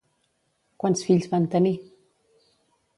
Quants fills van tenir?